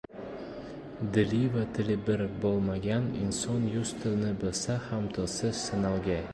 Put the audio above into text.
• Dili va tili bir bo‘lmagan inson yuz tilni bilsa ham tilsiz sanalgay.